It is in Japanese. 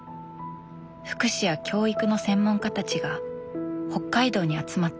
福祉や教育の専門家たちが北海道に集まった。